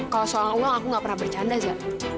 kalau soal uang aku gak pernah bercanda zaa